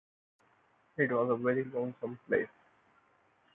It was a very lonesome place.